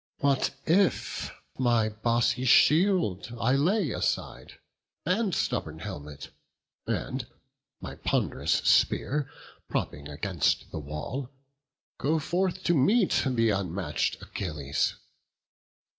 What if my bossy shield I lay aside, And stubborn helmet, and my pond'rous spear Propping against the wall, go forth to meet Th' unmatch'd Achilles?